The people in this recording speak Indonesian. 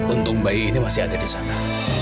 untung bayi ini masih ada di sana